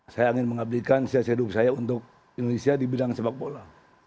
saya ingin mengabdikan siasa hidup saya untuk indonesia di bidang sepak bola